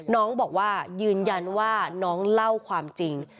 น้องบอกว่ายืนยันว่าน้องเล่าความจริง